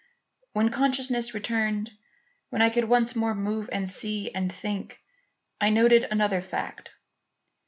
"When consciousness returned when I could once more move and see and think, I noted another fact.